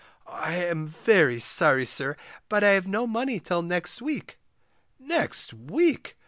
I am very sorry, sir, but I have no money till next week! Next week!